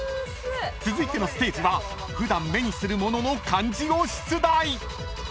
［続いてのステージは普段目にするものの漢字を出題］